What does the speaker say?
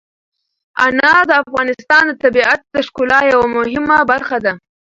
انار د افغانستان د طبیعت د ښکلا یوه مهمه برخه ده.